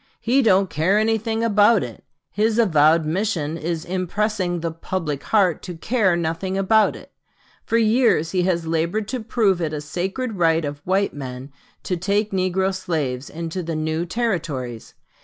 He don't care anything about it. His avowed mission is impressing the 'public heart' to care nothing about it.... For years he has labored to prove it a sacred right of white men to take negro slaves into the new Territories.